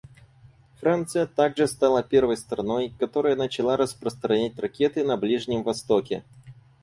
Франция также стала первой страной, которая начала распространять ракеты на Ближнем Востоке.